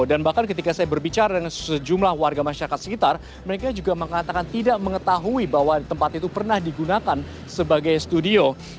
dan bahkan ketika saya berbicara dengan sejumlah warga masyarakat sekitar mereka juga mengatakan tidak mengetahui bahwa tempat itu pernah digunakan sebagai studio